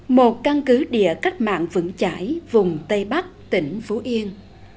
một căn cứ địa cách mạng vững chải vùng tây bắc tỉnh phú yên